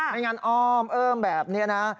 ไม่งั้นอ้อมแบบนี้นะ